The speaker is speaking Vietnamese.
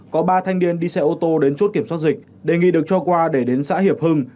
có ba thanh niên đi xe ô tô đến chốt kiểm soát dịch đề nghị được cho qua để đến xã hiệp hưng